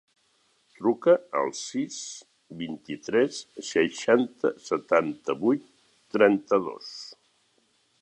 Truca al sis, vint-i-tres, seixanta, setanta-vuit, trenta-dos.